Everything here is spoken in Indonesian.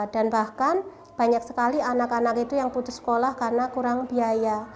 dan bahkan banyak sekali anak anak itu yang putus sekolah karena kurang biaya